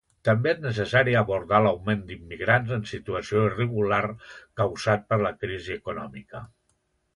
També és necessari abordar l'augment d'immigrants en situació irregular causat per la crisi econòmica.